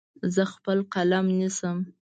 زه خپل قلم نیسم.